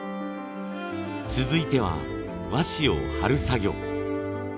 続いては和紙を貼る作業。